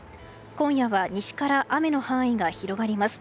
今夜は西から雨の範囲が広がります。